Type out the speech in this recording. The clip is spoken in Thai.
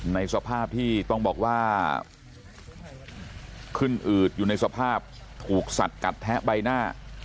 ในสภาพที่ต้องบอกว่าขึ้นอืดอยู่ในสภาพถูกสัดกัดแทะใบหน้า